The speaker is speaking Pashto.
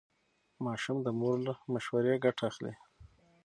ماشوم د مور له مشورې ګټه اخلي.